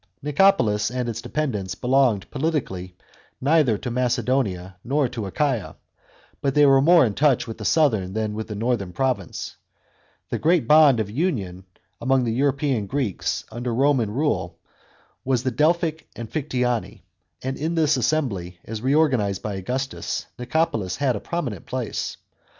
Nicopolis and its dependencies belonged politically neither to Macedonia nor to Achaia ; but they were more in touch with the southern than with the northern province. The great bond of union among the European Greeks, under Roman rule, was the 106 PROVINCIAL ADMINISTRATION. CHAP. vn. Delphic Amphictyony, and in this assembly, as reorganised by Augustus, Nicopolis had a prominent place.